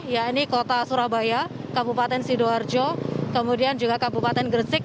ya ini kota surabaya kabupaten sidoarjo kemudian juga kabupaten gresik